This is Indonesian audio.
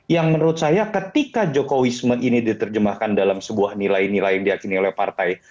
yang menurut saya ketika jokowisme ini diterjemahkan dalam sebuah nilai nilai yang diakini oleh partai